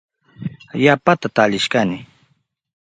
Yapata talishkani.